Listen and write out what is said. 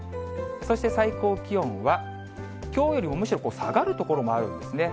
そして最高気温は、きょうよりもむしろ下がる所もあるんですね。